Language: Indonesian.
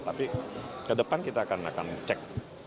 tapi ke depan kita akan cek